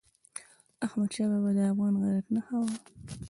احمدشاه بابا د افغان غیرت نښه وه.